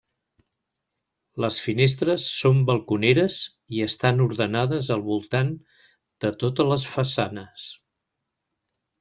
Les finestres són balconeres i estan ordenades al voltant de totes les façanes.